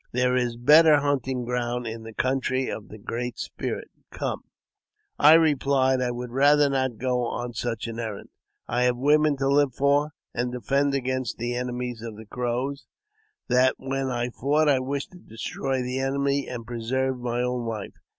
There is better hunting ground in the country of the Great Spirit. Come !" I replied I would rather not go on such an errand. I have women to live for, and defend against the enemies of the Crows ; that when I fought I wished to destroy the enemy and preserve my own life.